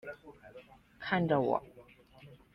看着我